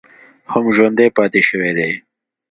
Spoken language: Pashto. هم ژوندی پاتې شوی دی